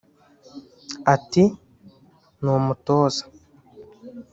Ati “Ni umutoza